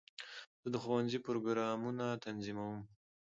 زه د ښوونځي پروګرامونه تنظیموم.